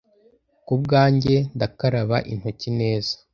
kubwanjye ndakaraba intoki neza